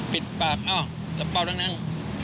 ปิดปากอ้าวแล้วเป่านั่ง